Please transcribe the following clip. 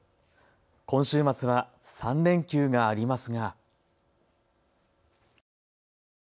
今週末は３連休がありますが。